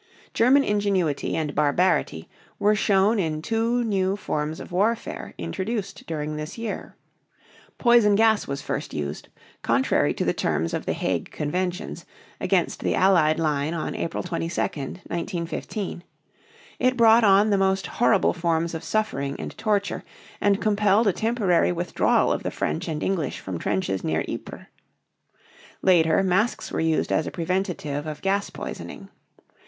German ingenuity and barbarity were shown in two new forms of warfare introduced during this year. Poison gas was first used, contrary to the terms of the Hague Conventions, against the Allied line on April 22, 1915. It brought on the most horrible forms of suffering and torture, and compelled a temporary withdrawal of the French and English from trenches near Ypres (eepr). Later, masks were used as a preventive of gas poisoning.